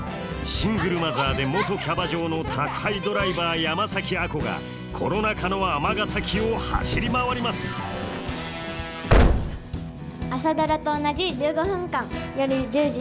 シングルマザーで元キャバ嬢の宅配ドライバー山崎亜子がコロナ禍の尼崎を走り回ります「朝ドラ」と同じ１５分間。